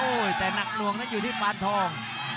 โอ้โหแต่หนักหน่วงนั่นอยู่ที่บานทอง